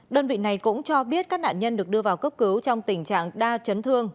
đơn vị này cũng cho biết các nạn nhân được đưa vào cấp cứu trong tình trạng đa chấn thương